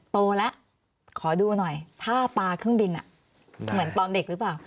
โตแล้วขอดูหน่อยถ้าปลาเครื่องบินเหมือนตอนเด็กหรือเปล่า